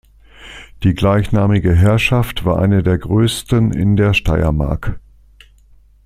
Die gleichnamige Herrschaft war eine der größten in der Steiermark.